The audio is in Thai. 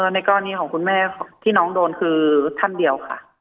ในกรณีของคุณแม่ที่น้องโดนคือท่านเดียวค่ะ